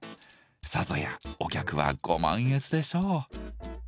さぞやお客はご満悦でしょう。